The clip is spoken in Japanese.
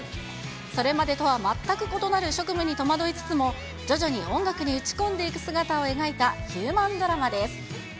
それまでとは全く異なる職務に戸惑いつつも、徐々に音楽に打ち込んでいく姿を描いた、ヒューマンドラマです。